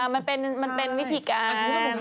มันเป็นวิธีการ